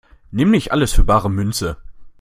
Nimm nicht alles für bare Münze!